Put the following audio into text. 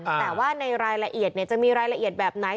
แต่ว่าในรายละเอียดจะมีรายละเอียดแบบไหน